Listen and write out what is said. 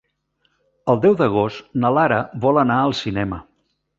El deu d'agost na Lara vol anar al cinema.